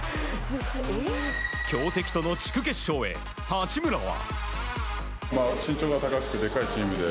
強敵との地区決勝へ八村は。